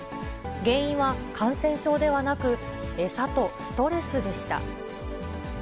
原因は感染症ではなく、餌とストレスでした。